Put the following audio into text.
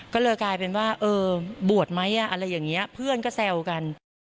ก็เลยกลายเป็นว่าเออบวชไหมอะไรอย่างนี้เพื่อนก็แซวกัน